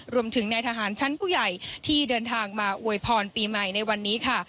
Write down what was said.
รวมถึงในทหารชั้นผู้ใหญ่ที่เดินทางมาอวยพรปีใหม่ในวันนี้ค่ะ